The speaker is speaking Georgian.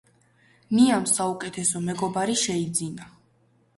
ნიამ საუკეთესო მეგობარი შეიძინა.